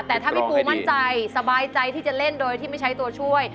แต่ถ้าพี่ปูมั่นใจสบายใจที่จะเล่นโดยที่ไม่ใช้ตัวช่วย